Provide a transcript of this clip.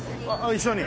一緒に。